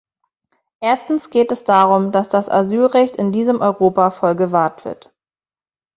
Erstens geht es darum, dass das Asylrecht in diesem Europa voll gewahrt wird.